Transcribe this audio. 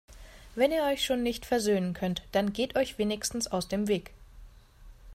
Wenn ihr euch schon nicht versöhnen könnt, dann geht euch wenigstens aus dem Weg!